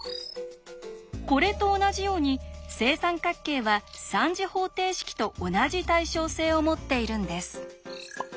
これと同じように正三角形は３次方程式と同じ対称性を持っているんです。